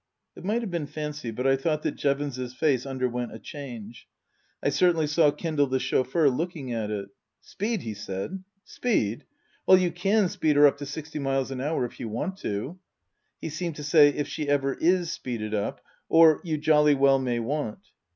It might have been fancy, but I thought that Jevons's face underwent a change. I certainly saw Kendal the chauffeur looking at it. " Speed ?" he said. " Speed ? Well you can speed her up to sixty miles an hour if you want to." (He seemed to say, " If she ever is speeded up," or " You jolly well may want.")